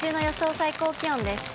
最高気温です。